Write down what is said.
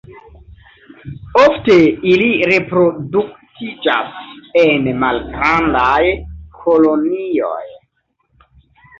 Ofte ili reproduktiĝas en malgrandaj kolonioj.